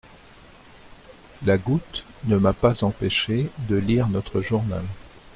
La goutte ne m'a pas empêché de lire notre journal.